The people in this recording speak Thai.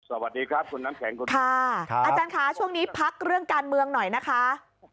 สวัสดีครับคุณน้ำแข็งคุณค่ะอาจารย์ค่ะช่วงนี้พักเรื่องการเมืองหน่อยนะคะ